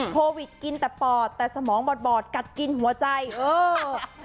โควิดกินแต่ปอดแต่สมองบอดบอดกัดกินหัวใจเออ